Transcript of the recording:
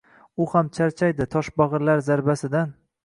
U ham charchaydi toshbagʻirlar zarbasidan.